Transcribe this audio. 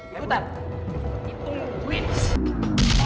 yang itu kan